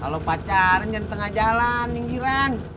kalau pacarnya di tengah jalan minggiran